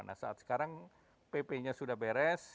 nah saat sekarang pp nya sudah beres